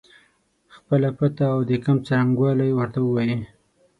خپله پته او د کمپ څرنګوالی ورته ووایي.